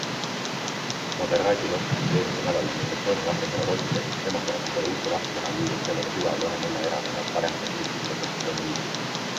Moderaatid otsustasid eelmisel nädalal immigratsioonivastastele Rootsi Demokraatidele ukse lahti teha, lüües sellega sügava lõhe nelja erakonna paremtsentristlikku opositsiooniliitu.